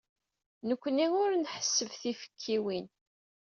Nekkni ur nḥesseb tifekkiwin.